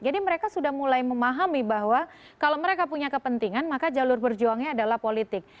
mereka sudah mulai memahami bahwa kalau mereka punya kepentingan maka jalur berjuangnya adalah politik